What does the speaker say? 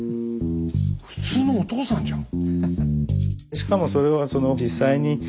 普通のお父さんじゃん。